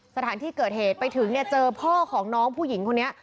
สถานที่เกิดเหตุไปถึงเนี่ยเจอพ่อของน้องผู้หญิงคนนี้